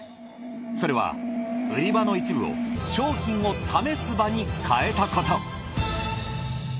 それは売り場の一部を商品を試す場に変えたこと。